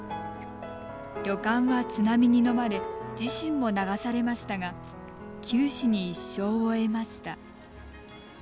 旅館は津波にのまれ自身も流されましたが九死に一生を得ました。